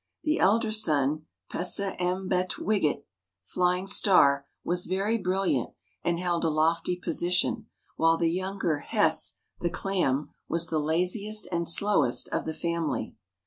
The elder son "Psess'mbemetwigit," Flying Star, was very brilliant and held a lofty position; while the younger "Hess," the Clam, was the laziest and slowest of the family.